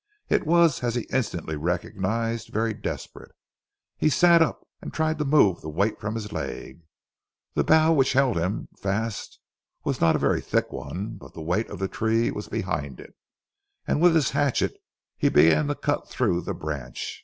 It was, as he instantly recognized, very desperate. He sat up, and tried to move the weight from his leg. The bough which held him fast was not a very thick one, but the weight of the tree was behind it, and with his hatchet he began to cut through the branch.